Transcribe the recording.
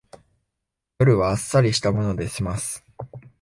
夜はあっさりしたもので済ます